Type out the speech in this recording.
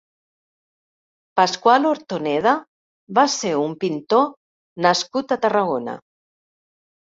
Pasqual Hortoneda va ser un pintor nascut a Tarragona.